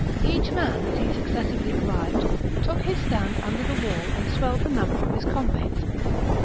Each man, as he successively arrived, took his stand under the wall and swelled the number of his comrades.